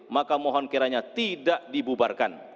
maka mohon kiranya tidak dibubarkan